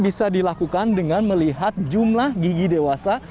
bisa dilakukan dengan melihat jumlah gigi dewasa